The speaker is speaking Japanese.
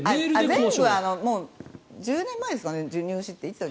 全部１０年前ですよね、入試って。